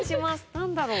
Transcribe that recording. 何だろう？